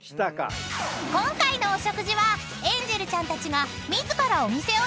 ［今回のお食事はエンジェルちゃんたちが自らお店をリサーチ。